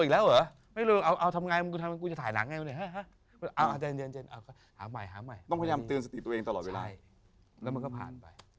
แล้วมันก็ผ่านไป